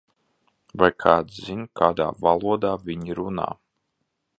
Vai kāds zina, kādā valodā viņi runā?